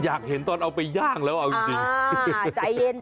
อยากเห็นตอนเอาไปย่างแล้วเอาจริงใจเย็น